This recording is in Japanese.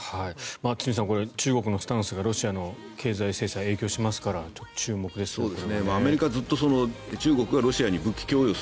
堤さん、中国のスタンスがロシアの経済制裁に影響しますから注目ですね、これね。